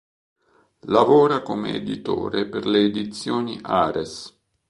Lavora come editore per le Edizioni Ares.